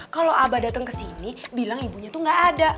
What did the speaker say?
kalau abah dateng kesini bilang ibunya tuh nggak ada